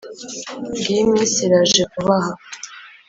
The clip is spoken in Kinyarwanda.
ngiyi iminsi iraje vuba aha